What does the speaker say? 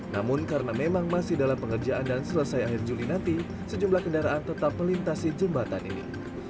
namun karena memang masih dalam pengerjaan dan selesai akhir juli nanti sejumlah kendaraan tetap melintasi jembatan ini